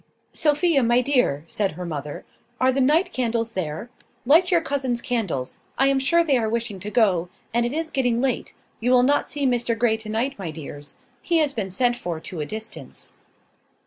"Sophia, my dear," said her mother, "are the night candles there? Light your cousins' candles. I am sure they are wishing to go; and it is getting late. You will not see Mr Grey to night, my dears. He has been sent for to a distance."